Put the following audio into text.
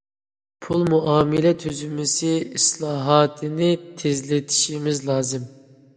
پۇل مۇئامىلە تۈزۈلمىسى ئىسلاھاتىنى تېزلىتىشىمىز لازىم.